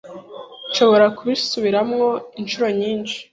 Nshobora kubisubiramo inshuro nyinshi.